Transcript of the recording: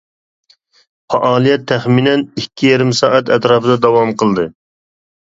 پائالىيەت تەخمىنەن ئىككى يېرىم سائەت ئەتراپىدا داۋام قىلدى.